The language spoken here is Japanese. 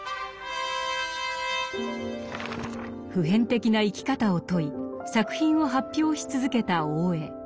普遍的な生き方を問い作品を発表し続けた大江。